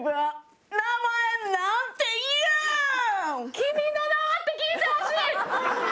「君の名は？」って聞いてほしい！